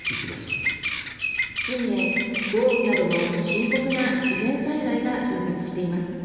近年、豪雨などの深刻な自然災害が頻発しています。